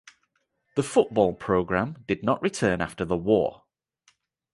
The football program did not return after the war.